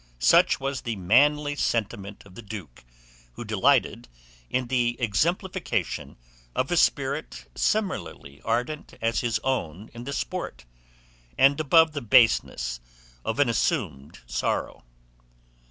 Such was the manly sentiment of the duke, who delighted in the exemplification of a spirit similarly ardent as his own in the sport, and above the baseness of an assumed sorrow.